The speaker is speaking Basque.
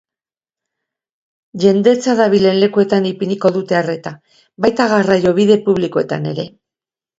Jendetza dabilen lekuetan ipiniko dute arreta, baita garraiobide publikoetan ere.